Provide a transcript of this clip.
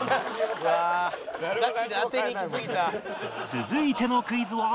続いてのクイズは